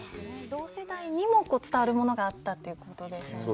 同世代にも伝わるものがあったということですよね。